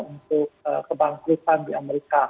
untuk kebangkutan di amerika